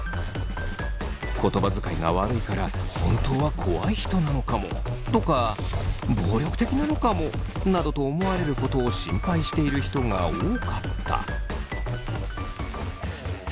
言葉遣いが悪いから本当は怖い人なのかもとか暴力的なのかもなどと思われることを心配している人が多かった。